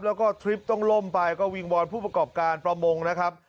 แล้วก็ทริปต้องล่มไปก็วิงวอนผู้ประกอบการประมงนะครับ